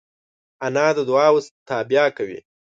انا د دعاوو تابیا کوي